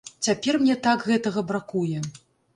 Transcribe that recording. Цяпер мне так гэтага бракуе.